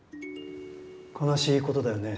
悲しいことだよね。